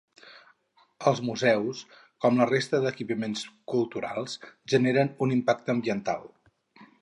Els museus, com la resta d'equipaments culturals, generen un impacte ambiental.